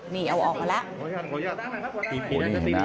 นี่เอาออกมาแล้ว